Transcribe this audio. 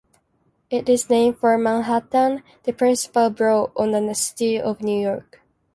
It is named for Manhattan, the principal borough of the City of New York.